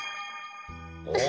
お！